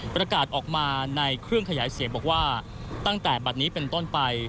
ประกาศออกมาในเครื่องขยายเสียงบอกว่าตั้งแต่บัตรนี้เป็นต้นไป